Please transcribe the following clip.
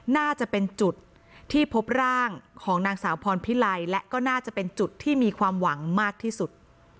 น่าจะเป็นจุดที่พบร่างของนางสาวพรพิไลและก็น่าจะเป็นจุดที่มีความหวังมากที่สุด